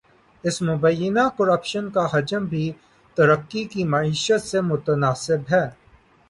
اس مبینہ کرپشن کا حجم بھی ترکی کی معیشت سے متناسب ہے۔